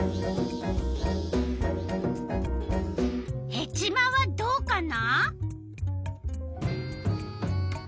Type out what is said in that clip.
ヘチマはどうかな？